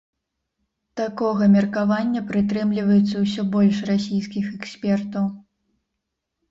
Такога меркавання прытрымліваецца ўсё больш расійскіх экспертаў.